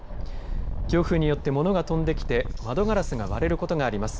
強風によって物が飛んできて窓ガラスが割れることがあります。